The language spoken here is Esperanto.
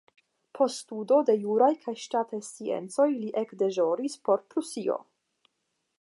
Post studo de juraj kaj ŝtataj sciencoj li ekdeĵoris por Prusio.